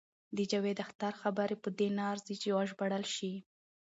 د جاوید اختر خبرې په دې نه ارزي چې وژباړل شي.